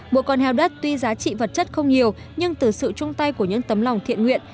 bộ còn heo đất tuy giá trị vật chất không nhiều nhưng từ sự trung tay của những tấm lòng thiện nguyện